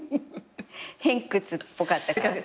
偏屈っぽかったから？